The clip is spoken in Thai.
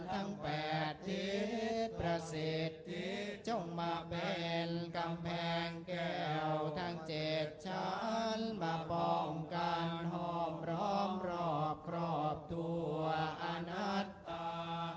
ทั้งแปดทิศประสิทธิ์จงมาเป็นกำแพงแก่วทั้งเจ็ดชาลมาป้องกันหอมรอบรอบครอบทั่วอาณาตรา